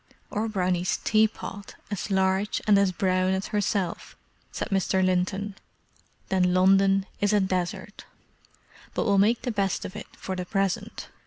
"Or Brownie's tea pot, as large and as brown as herself," said Mr. Linton—"then London is a desert. But we'll make the best of it for the present.